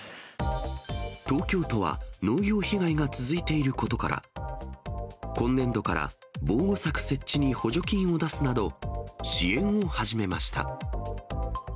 東京都は農業被害が続いていることから、今年度から防護柵設置に補助金を出すなど、支援を始めました。